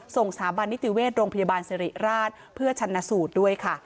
สถาบันนิติเวชโรงพยาบาลสิริราชเพื่อชันสูตรด้วยค่ะ